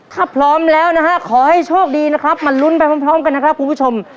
ถ้าพร้อมแล้วนะฮะขอให้โชคดีนะครับมาลุ้นไปพร้อมกันนะครับคุณผู้ชม